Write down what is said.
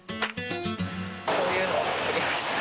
こういうのを作りました。